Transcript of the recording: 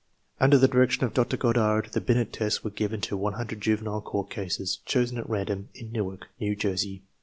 Under the direction of Dr. Goddard the Binet tests were given to 100 juvenile court cases, chosen at random, in Newark, New Jersey.